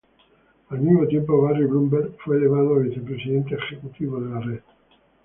Al mismo tiempo, Barry Blumberg fue elevado a vicepresidente ejecutivo de la red.